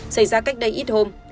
xảy ra cách đây ít hôm